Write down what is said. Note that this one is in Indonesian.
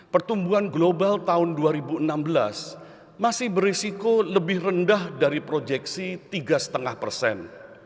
pertumbuhan global tahun dua ribu enam belas masih berisiko lebih rendah dari proyeksi tiga lima persen